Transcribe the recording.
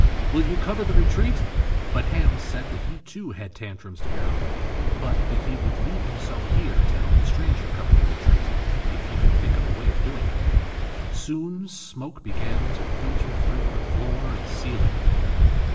“Will you cover the retreat?” But Ham said that he too had Tantrums to bear away, but that he would leave himself here to help the stranger cover the retreat, if he could think of a way of doing it. Soon smoke began to filter through the floor and ceiling.